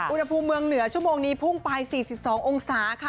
อุณหภูมิเมืองเหนือชั่วโมงนี้พุ่งไป๔๒องศาค่ะ